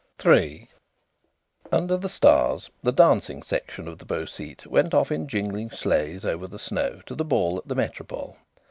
III Under the stars the dancing section of the Beau Site went off in jingling sleighs over the snow to the ball at the Métropole.